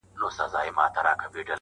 د هجرت غوټه تړمه روانېږم.